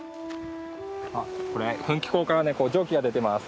あっこれ噴気孔から蒸気が出てます。